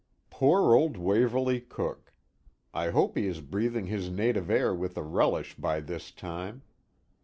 Poor old Waverley Cooke! I hope he is breathing his native air with a relish by this time.